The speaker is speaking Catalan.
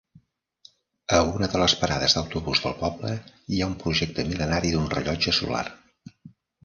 A una de les parades d'autobús del poble hi ha un projecte mil·lenari d'un rellotge solar.